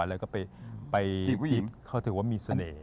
แล้วก็ไปยิ้มเขาถือว่ามีเสน่ห์